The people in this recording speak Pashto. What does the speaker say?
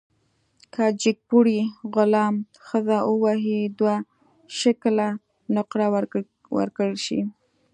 که جګپوړي غلام ښځه ووهي، دوه شِکِله نقره ورکړل شي.